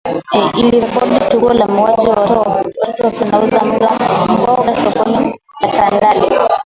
Ilirekodi tukio la mauwaji ya Watoto wakiwa wanauza mboga mboga soko la tandale